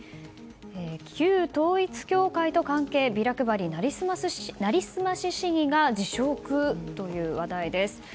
旧統一教会と関係、ビラ配り成り済まし市議が辞職という話題です。